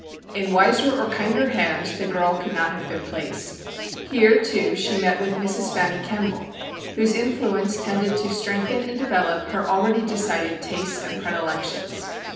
In wiser or kinder hands the } r oung girl could not have been placed. Here, too, she met with Mrs. Fanny Kemble, whose influence tended to strengthen and develop her already de cided tastes and predilections.